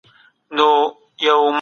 مینه د سر درد دي.